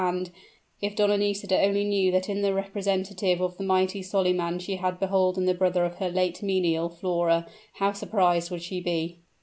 And, if Donna Nisida only knew that in the representative of the mighty Solyman she had beholden the brother of her late menial, Flora, how surprised would she be!"